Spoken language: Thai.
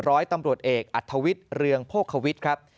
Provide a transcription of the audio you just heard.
ร้อยตำรวจเอกอัธวิทย์เรืองโภควิทย์ครับ